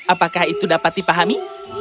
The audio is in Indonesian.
apakah itu dapat dipahami